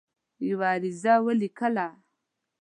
یوه عریضه ولیکله.